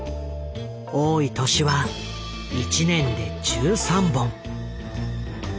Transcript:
多い年は１年で１３本！